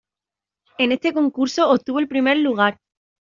En este concurso obtuvo el primer lugar.